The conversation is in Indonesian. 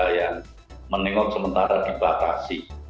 yang menengok sementara di bakasi